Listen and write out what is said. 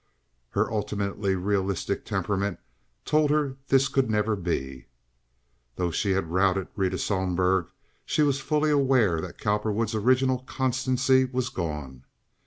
Her ultimately realistic temperament told her this could never be. Though she had routed Rita Sohlberg, she was fully aware that Cowperwood's original constancy was gone.